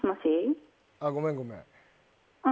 ごめんごめん。